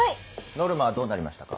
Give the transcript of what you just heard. ノルマはどうなりましたか。